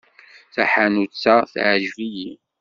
Taḥanut-a teɛjeb-iyi.